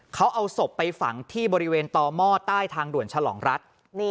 เขาเอาศพไปฝังที่บริเวณต่อหม้อใต้ทางด่วนฉลองรัฐ